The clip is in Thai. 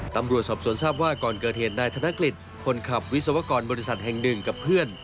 ตำรวจสอบสวนทราบว่าก่อนเกิดเหตุนายธนกฤษคนขับวิศวกรบริษัทแห่งหนึ่งกับเพื่อน